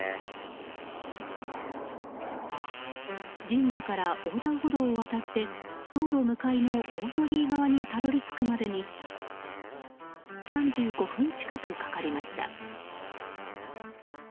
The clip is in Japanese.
神社から横断歩道を渡って道路向かいの大鳥居側にたどり着くまでに３５分近くかかりました。